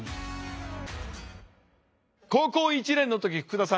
高校１年の時福田さん